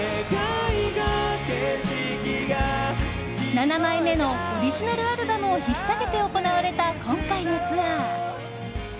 ７枚目のオリジナルアルバムを引っ提げて行われた今回のツアー。